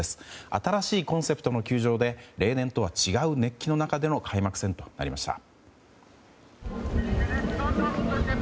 新しいコンセプトの球場で例年とは違う熱気の中での開幕戦となりました。